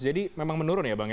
memang menurun ya bang ya